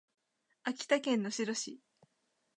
秋田県能代市